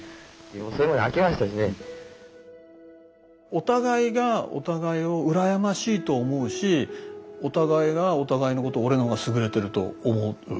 お互いがお互いを羨ましいと思うしお互いがお互いのことを俺のほうが優れてると思う。